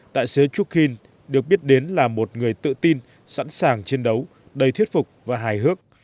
đại sứ chukin được biết đến là một người tự tin sẵn sàng chiến đấu đầy thuyết phục và hài hước